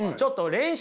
練習？